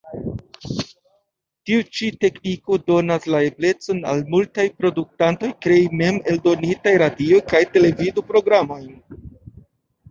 Tiu ĉi tekniko donas la eblecon al multaj produktantoj krei mem-eldonitajn radio- kaj televido-programojn.